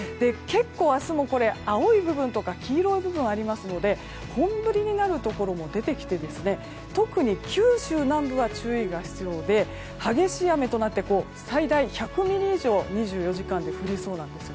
明日も青い部分や黄色い部分がありますので本降りになるところも出てきて特に九州南部は注意が必要で激しい雨となって最大１００ミリ以上２４時間で降りそうなんです。